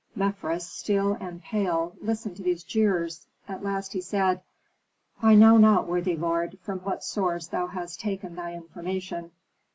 Mefres, still and pale, listened to these jeers. At last he said, "I know not, worthy lord, from what source thou hast taken thy information.